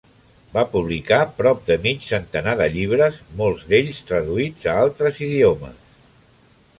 Va publicar prop de mig centenar de llibres, molts d'ells traduïts a altres idiomes.